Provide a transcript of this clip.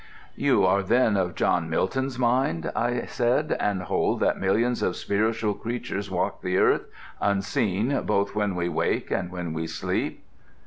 'You are then of John Milton's mind,' I said, 'and hold that Millions of spiritual creatures walk the earth Unseen, both when we wake and when we sleep.'